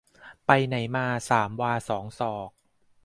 ไปไหนมาสามวาสองศอก